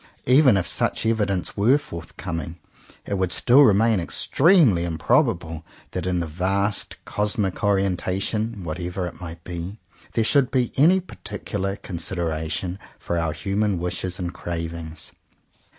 Even if such evidence were forthcoming, it would still remain extremely improbable that in the vast cosmic orientation, whatever it might be, there should be any particular consideration for our human wishes and cravings.